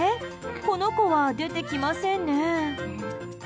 この子は出てきませんね。